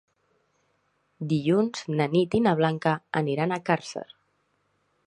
Dilluns na Nit i na Blanca aniran a Càrcer.